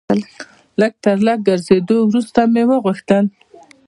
تر لږ ګرځېدو وروسته مې وغوښتل.